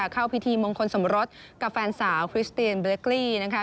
เข้าพิธีมงคลสมรสกับแฟนสาวคริสเตียนเบรกลีนะคะ